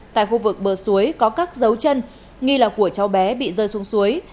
tại khu vực bờ suối có các dấu chân nghi là của cháu bé bị rơi xuống suối